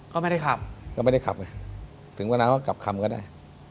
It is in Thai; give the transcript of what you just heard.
ก็ไม่ได้ขับก็ไม่ได้ขับถึงเว้นนั้นก็กลับคำก็ได้